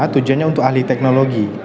tujuannya untuk ahli teknologi